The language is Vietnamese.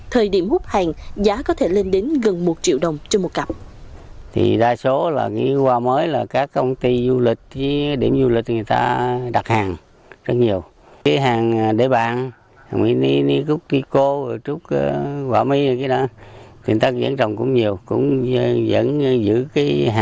thời điểm hút hàng giá có thể lên đến gần một triệu đồng trên một cặp